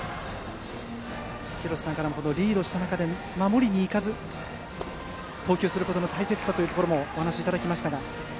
廣瀬さんからもリードした中で守りに行かず投球することの大切さもお話いただきました。